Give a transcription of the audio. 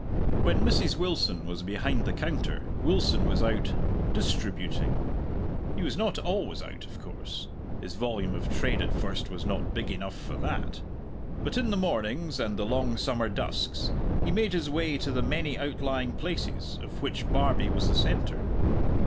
When Mrs. Wilson was behind the counter, Wilson was out "distributing." He was not always out, of course his volume of trade at first was not big enough for that; but in the mornings, and the long summer dusks, he made his way to the many outlying places of which Barbie was the centre.